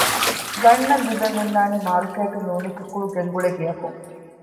ގަންނަން ލިބެން ހުންނާނީ މާރުކޭޓުން ނޫނީ ކުކުޅު ގެންގުޅޭ ގެއަކުން